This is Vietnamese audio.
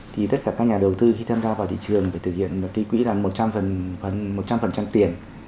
thì tất cả các nhà đầu tư khi tham gia vào thị trường phải thực hiện ký quỹ là một trăm linh tiền